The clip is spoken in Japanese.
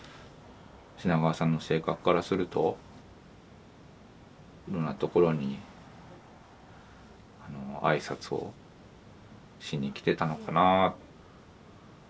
品川さんの性格からするといろんなところに挨拶をしに来てたのかな。